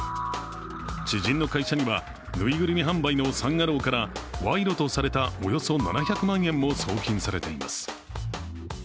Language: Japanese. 知人の会社にはぬいぐるみ販売のサン・アローから賄賂とされたおよそ７００万円も送金されています。